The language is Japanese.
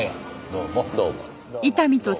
どうも。